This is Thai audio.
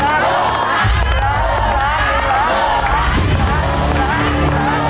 สวัสดีครับสวัสดีครับ